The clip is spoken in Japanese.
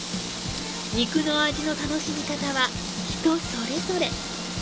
肉の味の楽しみ方は、人それぞれ。